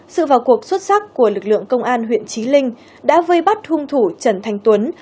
sự vào cuộc xuất sắc của lực lượng công an huyện trí linh đã vây bắt hung thủ trần thanh tuấn